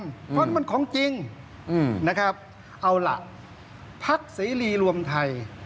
เพราะมันของจริงนะครับเอาล่ะพักเสรีรวมไทย